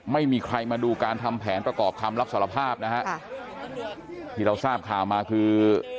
ไม่มีใครมาดูการทำแผนประกอบคำรับสารภาพนะฮะค่ะที่เราทราบข่าวมาคือ